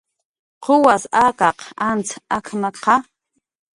"¿Quwas akaq antz ak""maqa? "